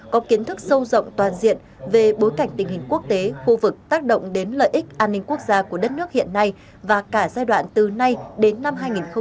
có kiến thức sâu rộng toàn diện về bối cảnh tình hình quốc tế khu vực tác động đến lợi ích an ninh quốc gia của đất nước hiện nay và cả giai đoạn từ nay đến năm hai nghìn hai mươi